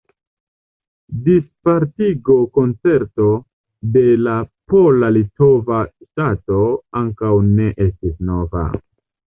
Dispartigo-koncepto de la pola-litova ŝtato ankaŭ ne estis nova.